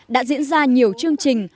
đã diễn ra nhiều chương trình